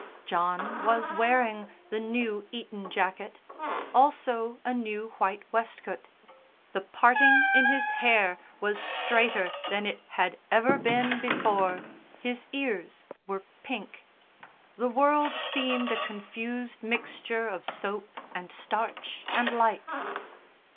John was wearing the new Eton jacket, also a new white waistcoat; the parting in his hair was straighter than it had ever been before, his ears were pink. The world seemed a confused mixture of soap and starch and lights.